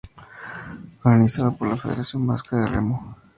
Organizada por la Federación Vasca de Remo.